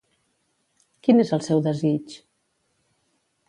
Quin és el seu desig?